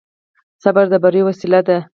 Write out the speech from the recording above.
صبر د بري وسيله ده.